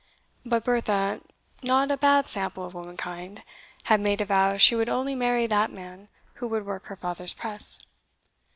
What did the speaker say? But Bertha, not a bad sample of womankind, had made a vow she would only marry that man who would work her father's press.